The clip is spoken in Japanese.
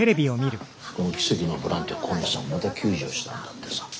この奇跡のボランティア小西さんまた救助したんだってさ。